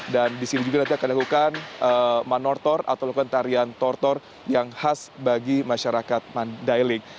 dan disini juga nanti akan dilakukan manortor atau lakukan tarian tortor yang khas bagi masyarakat mandailing